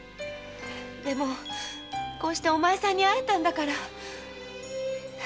でもこうしてお前さんに会えたんだから会いたかった。